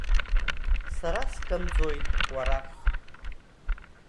Сара сканӡоит, уарах.